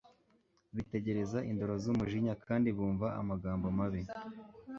Bitegereza indoro z'umujinya kandi bumva amagambo mabi